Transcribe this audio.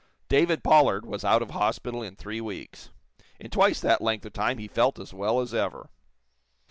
David Pollard was out of hospital in three weeks. In twice that length of time he felt as well as ever.